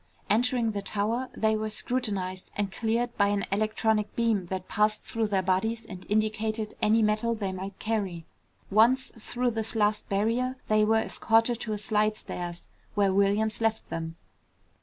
Entering the tower, they were scrutinized and cleared by an electronic beam that passed through their bodies and indicated any metal they might carry. Once through this last barrier, they were escorted to a slidestairs, where Williams left them.